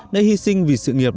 đã hi sinh vì sự nguyện